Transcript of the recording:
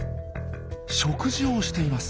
食事をしています。